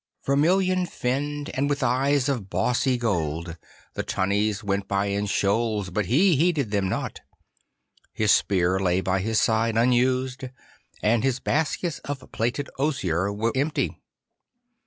Vermilion finned and with eyes of bossy gold, the tunnies went by in shoals, but he heeded them not. His spear lay by his side unused, and his baskets of plaited osier were empty.